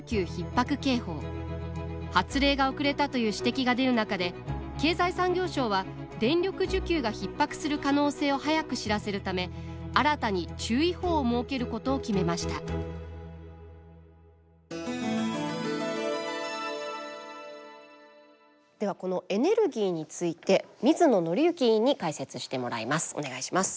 発令が遅れたという指摘が出る中で経済産業省は電力需給がひっ迫する可能性を早く知らせるため新たに注意報を設けることを決めましたではこのエネルギーについて水野倫之委員に解説してもらいます。